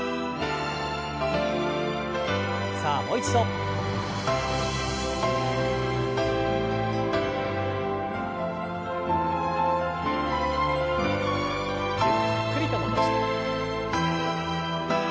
さあもう一度。ゆっくりと戻して。